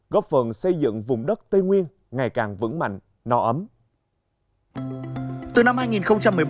góp phần xây dựng vùng đất tây nguyên ngày càng vững mạnh no ấm